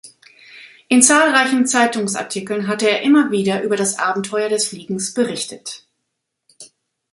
In zahlreichen Zeitungsartikeln hatte er immer wieder über das Abenteuer des Fliegens berichtet.